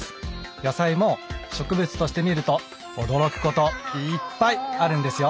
野菜も植物として見ると驚くこといっぱいあるんですよ。